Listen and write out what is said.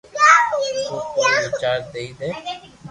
تو ڪوئئي وچار ديئي دي